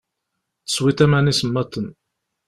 Teswiḍ aman isemmaḍen.